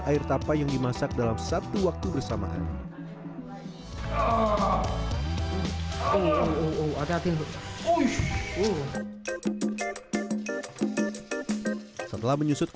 jadi pas lagi dimakan nanti berumurnya tuh